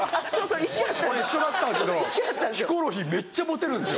俺一緒だったんですけどヒコロヒーめっちゃモテるんですよ。